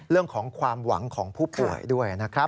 เรื่องของความหวังของผู้ป่วยด้วยนะครับ